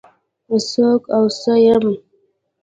څوک او څه يم؟